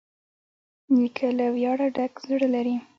نیکه له ویاړه ډک زړه لري.